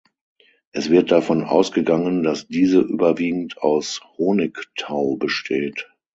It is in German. Es wird davon ausgegangen, dass diese überwiegend aus Honigtau besteht.